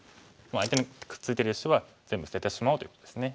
相手にくっついてる石は全部捨ててしまおうということですね。